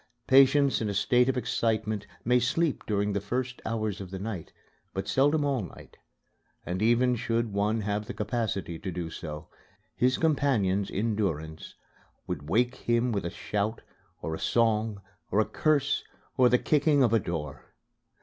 Patients in a state of excitement may sleep during the first hours of the night, but seldom all night; and even should one have the capacity to do so, his companions in durance would wake him with a shout or a song or a curse or the kicking of a door.